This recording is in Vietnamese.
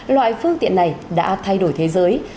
loại phương tiện này đã thay đổi thế giới